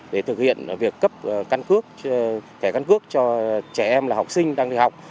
để thực hiện việc cấp thẻ căn cước cho trẻ em là học sinh đang đi học